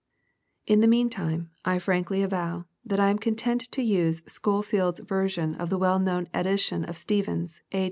* In the mean time, I frankly avow, that I am content to use Scholefield's version of the well known edition of Stephens, a.